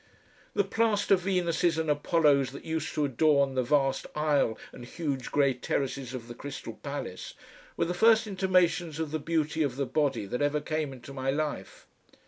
The plaster Venuses and Apollos that used to adorn the vast aisle and huge grey terraces of the Crystal Palace were the first intimations of the beauty of the body that ever came into my life.